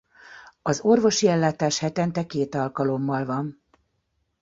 Az orvosi ellátás hetente két alkalommal van.